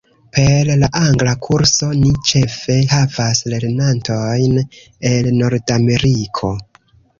Per la angla kurso, ni ĉefe havas lernantojn el Nordameriko.